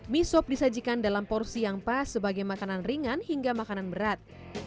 mie sob disajikan dalam porsi yang pas sebagai makanan ringan hingga makanan berat